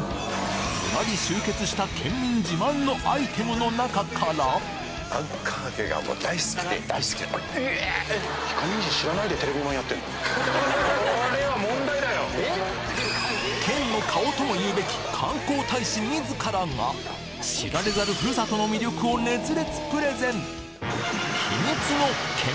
ずらり集結したケンミン自慢のアイテムの中から県の顔とも言うべき観光大使自らが知られざるふるさとの魅力を熱烈プレゼン！